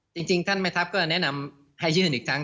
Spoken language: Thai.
จริงท่านแม่ทัพก็แนะนำให้ยื่นอีกครั้ง